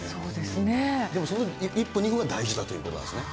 でも、その１分、２分が大事だということですね。